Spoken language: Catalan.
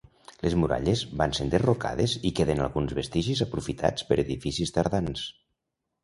Les muralles van ser enderrocades i queden alguns vestigis aprofitats per edificis tardans.